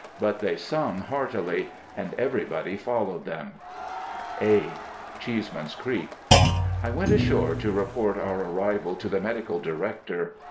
But they sung heartily, and everybody followed them. (A.) Cheeseman's Creek.—I went ashore to report our arrival to the Medical Director.